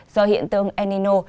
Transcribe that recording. do hiện tượng el nino